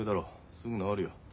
すぐ治るよ。